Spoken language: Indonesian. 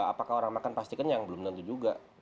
apakah orang makan pasti kenyang belum tentu juga